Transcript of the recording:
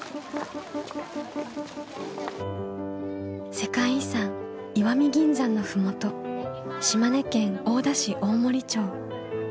世界遺産石見銀山の麓島根県大田市大森町。